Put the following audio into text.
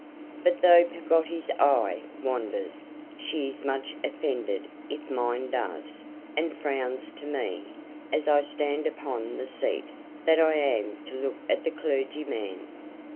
But though Peggotty's eye wanders, she is much offended if mine does, and frowns to me, as I stand upon the seat, that I am to look at the clergyman.